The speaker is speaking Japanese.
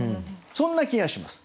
そんな気がします。